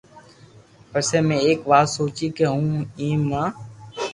پسي ۾ ايڪ وات سوچي ڪي ھون ايم نھ